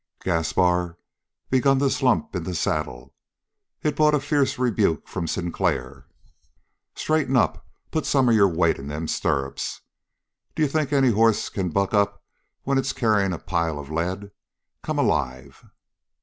Gaspar began to slump in the saddle. It brought a fierce rebuke from Sinclair. "Straighten up. Put some of your weight in them stirrups. D'you think any hoss can buck up when it's carrying a pile of lead? Come alive!"